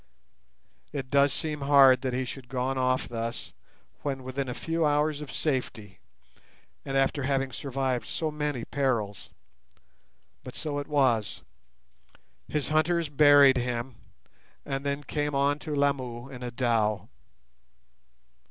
It does seem hard that he should have gone off thus when within a few hours of safety, and after having survived so many perils, but so it was. His hunters buried him, and then came on to Lamu in a dhow.